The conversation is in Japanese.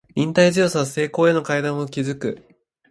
忍耐強さは成功への階段を築く